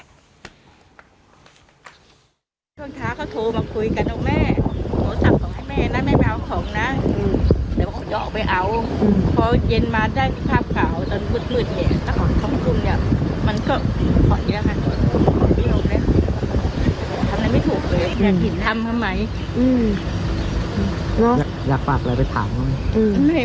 อยากฝากอะไรไปถามเขาไหมไม่อยากอยากจะเห็นหน้าอย่างเดียว